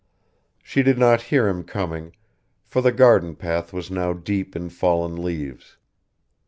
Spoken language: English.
She did not hear him coming, for the garden path was now deep in fallen leaves.